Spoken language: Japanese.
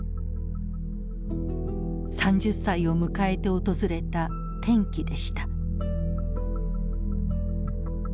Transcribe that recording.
３０歳を迎えて訪れた転機でした。